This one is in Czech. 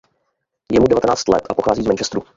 Je mu devatenáct let a pochází z Manchesteru.